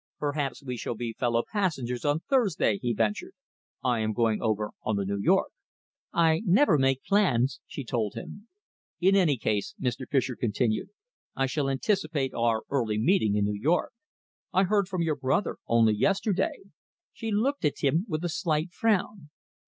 "Perhaps we shall be fellow passengers on Thursday?" he ventured. "I am going over on the New York." "I never make plans," she told him. "In any case," Mr. Fischer continued, "I shall anticipate our early meeting in New York. I heard from your brother only yesterday." She looked at him with a slight frown.